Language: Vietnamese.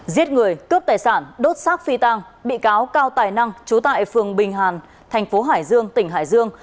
giết người cướp tài sản đốt xác phi tàng bị cáo cao tài năng chú tại phường bình hàn thành phố hải dương tỉnh hải dương